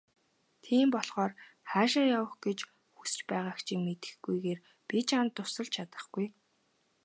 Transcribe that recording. Тийм болохоор хаашаа явах гэж хүс байгааг чинь мэдэхгүйгээр би чамд тусалж чадахгүй.